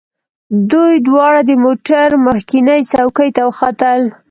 دوی دواړه د موټر مخکینۍ څوکۍ ته وختل